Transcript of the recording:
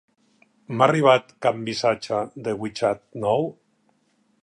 M'ha arribat cap missatge de WeChat nou?